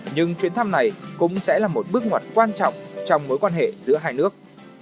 nhưng chuyến thăm này cũng sẽ là một bước ngoặt quan trọng trong mối quan hệ giữa hai nước